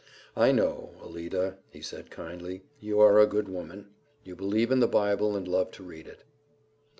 "I know, Alida," he said kindly; "you are a good woman. You believe in the Bible and love to read it."